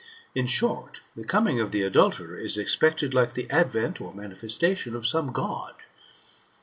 In short, the coming ot the adulterer is expected like the advent [or manifestation] of some God.